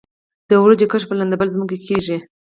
د وریجو کښت په لندبل ځمکو کې کیږي.